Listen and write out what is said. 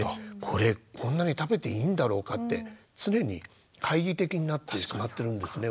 これこんなに食べていいんだろうかって常に懐疑的になってしまってるんですね